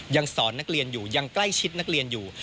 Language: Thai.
ยังสอนนักเรียนอยู่ยังใกล้ชิดนักเรียนอยู่